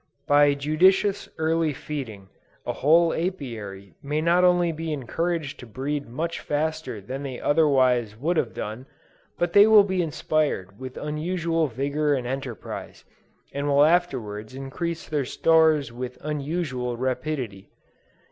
By judicious early feeding, a whole Apiary may be not only encouraged to breed much faster than they otherwise would have done; but they will be inspired with unusual vigor and enterprise, and will afterwards increase their stores with unusual rapidity.